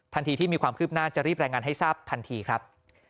ทันทีที่มีความคืบหน้าจะรีบรายงานให้ทราบทันทีครับ